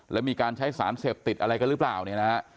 แล้วมีการใช้สารเสพติดอะไรกันหรือเปล่าเนี่ยนะฮะ